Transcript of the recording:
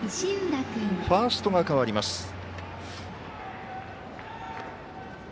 ファーストがかわります。